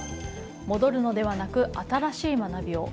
戻るのではなく新しい学びを。